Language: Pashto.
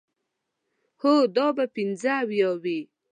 هو، دا به پنځه اویا وي.